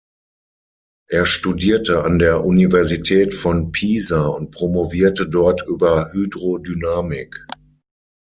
Er studierte an der Universität von Pisa und promovierte dort über Hydrodynamik.